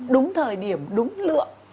đúng thời điểm đúng lượng